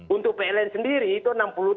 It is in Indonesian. untuk pln sendiri itu